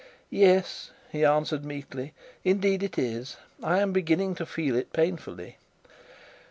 'Yes,' he answered meekly, 'indeed it is; I am beginning to feel it painfully.'